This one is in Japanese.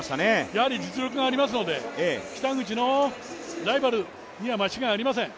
やはり実力がありますので北口のライバルには間違いありません。